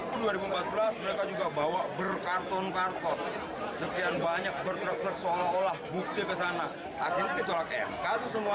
untuk membuktikan adanya keturangan kita tantang mereka